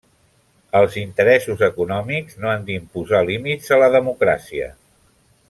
Els interessos econòmics no han d'imposar límits a la democràcia.